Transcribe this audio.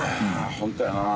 ホントやな。